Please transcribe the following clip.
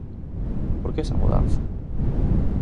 Por que esa mudanza?